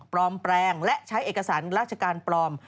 ปลอมแปลงและใช้เอกสารราชการปลอม